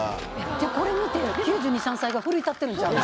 じゃあこれ見て９２９３歳が奮い立ってるんちゃう。